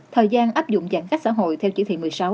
thời gian áp dụng giãn cách xã hội theo chỉ thị một mươi sáu